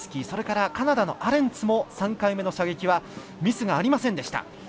それからカナダのアレンツも３回目の射撃はミスがありませんでした。